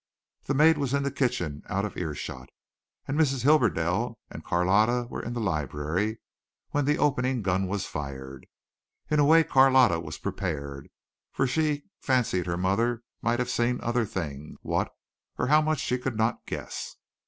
The maid was in the kitchen out of ear shot, and Mrs. Hibberdell and Carlotta were in the library when the opening gun was fired. In a way Carlotta was prepared, for she fancied her mother might have seen other things what or how much she could not guess.